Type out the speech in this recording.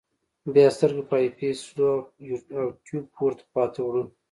بیا سترګه په آی پیس ږدو او ټیوب پورته خواته وړو.